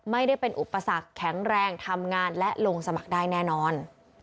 ไม่ได้เป็นอุปสรรคแข็งแรงทำงานและลงสมัครได้แน่นอน